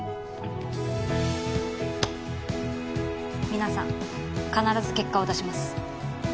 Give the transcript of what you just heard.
皆さん必ず結果を出します。